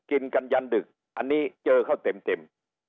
กินกันยันดึกอันนี้เจอเขาเต็ม